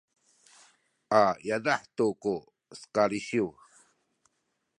a yadah tu ku kalisiw